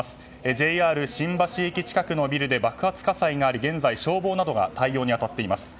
ＪＲ新橋駅近くのビルで爆発火災があり現在消防などが対応に当たっています。